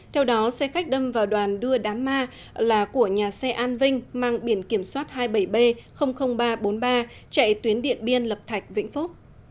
theo đó xe khách đâm vào đoàn đưa đám ma là của nhà xe an vinh mang biển kiểm soát hai mươi bảy b ba trăm bốn mươi ba chạy tuyến điện biên lập thạch vĩnh phúc